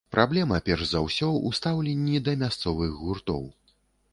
Праблема перш за ўсё ў стаўленні да мясцовых гуртоў.